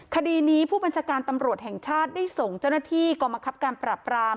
คดีนี้ผู้บัญชาการตำรวจแห่งชาติได้ส่งเจ้าหน้าที่กรมคับการปรับราม